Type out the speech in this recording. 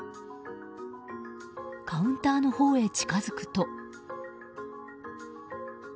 カウンターのほうへ近づくと。